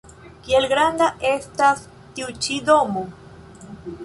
Kiel granda estas tiu-ĉi domo?